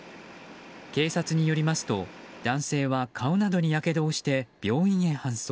警察によりますと男性は顔などにやけどをして病院へ搬送。